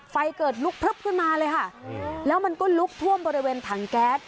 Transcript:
ไฟเกิดลุกพลึบขึ้นมาเลยค่ะแล้วมันก็ลุกท่วมบริเวณถังแก๊ส